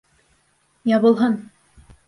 Ябылһын!